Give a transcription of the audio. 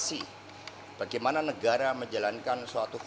ini bisa dikatakan sebenarnya seperti atas kapal p pissisi tapi